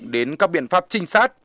đến các biện pháp trinh sát